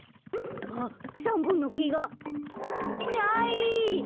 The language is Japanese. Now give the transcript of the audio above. あっ３ぼんのけがない！